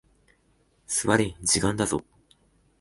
座れ、時間だぞ。